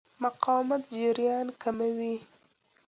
مقاومت جریان کموي.